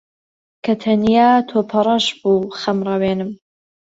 کە تەنیا تۆپەڕەش بوو خەمڕەوێنم